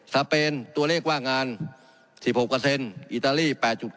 สาเพนต์ตัวเลขว่างงานสี่โปรปกับเซ็นต์อิตาลี๘๙